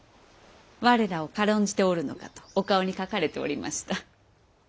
我らを軽んじておるのかとお顔に書かれておりました。